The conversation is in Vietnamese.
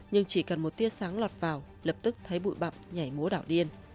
nhưng chỉ cần một tia sáng lọt vào lập tức thấy bụi bậm nhảy múa đảo điên